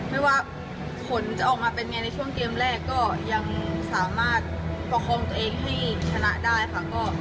ไม่ว่าผลจะออกมาเป็นไงในช่วงเกมแรกก็ยังสามารถประคองตัวเองให้ชนะได้ค่ะ